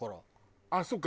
あっそうか。